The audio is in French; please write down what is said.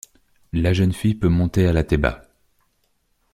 La jeune fille peut monter à la Téba.